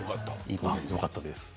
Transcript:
よかったです。